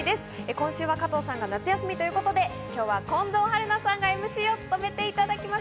今週は加藤さんが夏休みということで、今日は近藤春菜さんがＭＣを務めてくださいます。